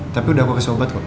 tapi udah gue kasih obat kok